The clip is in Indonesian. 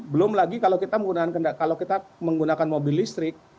belum lagi kalau kita menggunakan mobil listrik